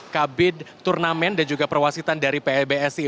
kabin turnamen dan juga perwakilan dari pbsi